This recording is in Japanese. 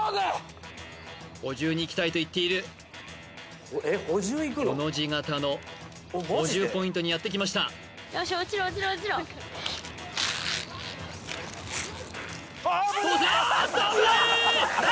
補充にいきたいと言っているコの字形の補充ポイントにやってきましたよしああ危ない！